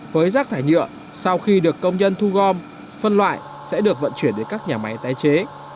với rác thải nhựa sau khi được công nhân thu gom phân loại sẽ được vận chuyển đến các nhà máy tái chế